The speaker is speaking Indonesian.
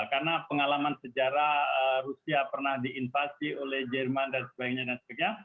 karena pengalaman sejarah rusia pernah diinvasi oleh jerman dan sebagainya dan sebagainya